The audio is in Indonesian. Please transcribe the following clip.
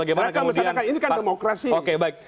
ini kan demokrasi